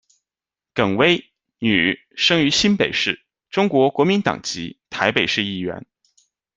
耿葳，女，生于新北市，中国国民党籍，台北市议员。